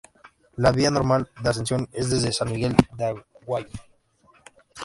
La vía normal de ascensión es desde San Miguel de Aguayo.